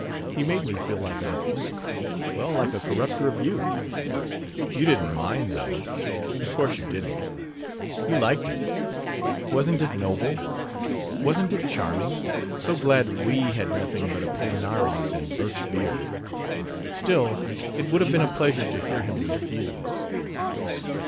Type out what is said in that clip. He made me feel like a well, like a corrupter of youth." "You didn't mind, though, of course you didn't. You liked it. Wasn't it noble! Wasn't it charming! So glad that we had nothing but Apollinaris and birch beer! Still, it would have been a pleasure to hear him refuse."